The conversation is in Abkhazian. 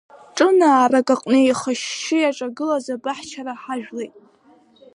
Ҿынаарак аҟны еихашьшьы иаҿагылаз абаҳчара ҳажәлеит.